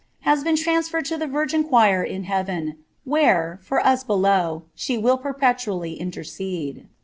195 I has been transferred to the virgin choir in heaven, where, for us r, she will perpetually intercede."